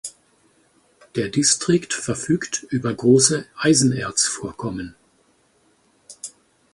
Der Distrikt verfügt über große Eisenerzvorkommen.